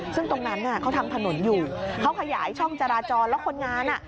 ซึ่งตรงนั้นเขาทำถนนอยู่เขาขยายช่องจราจรแล้วคนงานอ่ะ